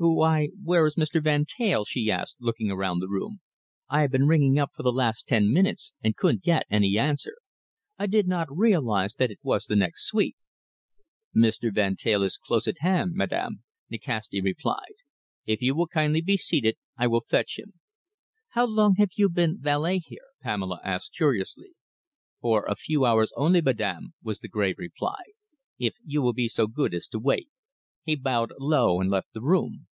"Why, where is Mr. Van Teyl?" she asked, looking around the room. "I have been ringing up for the last ten minutes and couldn't get any answer. I did not realise that it was the next suite." "Mr. Van Teyl is close at hand, madam," Nikasti replied. "If you will kindly be seated, I will fetch him." "How long have you been valet here?" Pamela asked curiously. "For a few hours only, madam," was the grave reply. "If you will be so good as to wait." He bowed low and left the room.